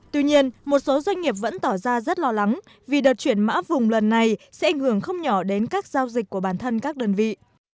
tuy nhiên một số doanh nghiệp vẫn tỏ ra rất lo lắng vì đợt chuyển mã vùng lần này sẽ ảnh hưởng không nhỏ đến các giao dịch của bản thân các đơn vị